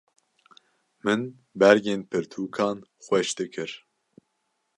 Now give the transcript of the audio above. Min bergên pirtûkan xweş dikir.